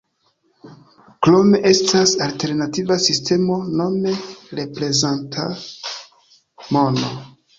Krome estas alternativa sistemo nome reprezenta mono.